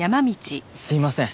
すいません。